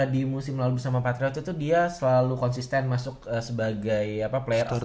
di musim lalu bersama patriot itu dia selalu konsisten masuk sebagai player